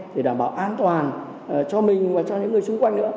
để đảm bảo an toàn cho mình và cho những người xung quanh nữa